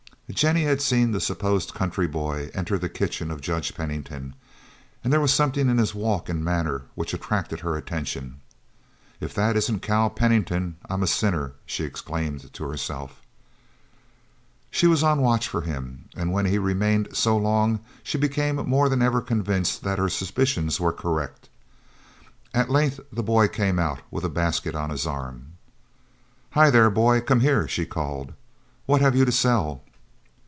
Jennie had seen the supposed country boy enter the kitchen of Judge Pennington, and there was something in his walk and manner which attracted her attention. "If that isn't Cal Pennington I am a sinner!" she exclaimed to herself. She was on the watch for him, and when he remained so long she became more than ever convinced that her suspicions were correct. At length the boy came out with his basket on his arm. "Hi, there, boy! come here," she called. "What have you to sell?"